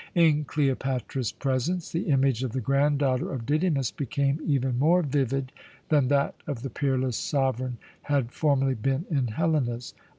In Cleopatra's presence the image of the granddaughter of Didymus became even more vivid than that of the peerless sovereign had formerly been in Helena's.